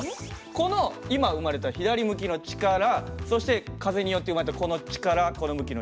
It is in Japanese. この今生まれた左向きの力そして風によって生まれたこの力この向きの力